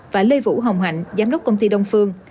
và lê vũ hồng hạnh giám đốc công ty đông phương